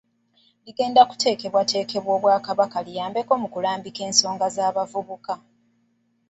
Ligenda kuteekebwateekebwa Obwakabaka liyambeko mu kulambika ensonga z’abavubuka.